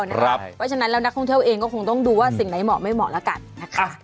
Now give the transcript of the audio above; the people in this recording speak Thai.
เพราะฉะนั้นแล้วนักท่องเที่ยวเองก็คงต้องดูว่าสิ่งไหนเหมาะไม่เหมาะแล้วกันนะคะ